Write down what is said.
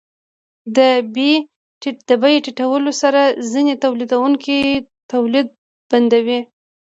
د بیې ټیټوالي سره ځینې تولیدونکي تولید بندوي